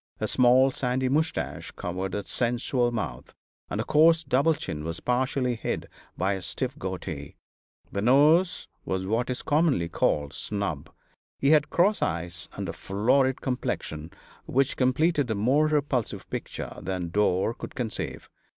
A small, sandy moustache covered a sensual mouth, and the coarse double chin was partially hid by a stiff goatee. The nose was what is commonly called "snub;" he had cross eyes and a florid complexion, which completed a more repulsive picture than Dore could conceive.